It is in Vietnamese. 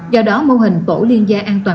do đó mô hình tổ liên gia an toàn